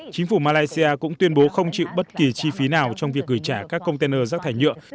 chính phủ malaysia cũng tuyên bố không chịu bất kỳ chi phí nào trong việc gửi trả các container rác thải nhựa